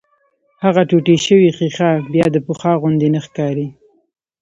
هغه ټوټې شوې ښيښه بيا د پخوا غوندې نه ښکاري.